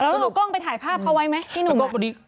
แล้วเอากล้องไปถ่ายภาพเขาไว้ไหมพี่หนุ่ม